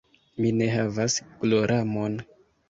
Mi ne havas gloramon.